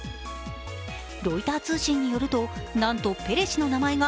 ロイター通信によると、なんとペレ氏の名前が